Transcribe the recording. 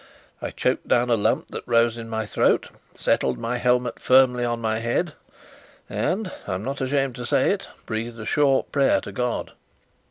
I choked down a lump that rose in my throat, settled my helmet firmly on my head, and (I'm not ashamed to say it) breathed a short prayer to God.